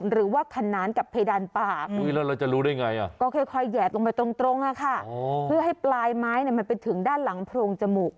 หรือถึงด้านหลังโพรงจมูก